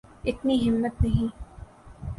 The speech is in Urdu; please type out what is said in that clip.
اتنی ہمت نہیں۔